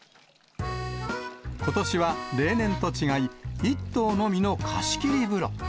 ことしは例年と違い、１頭のみの貸し切り風呂。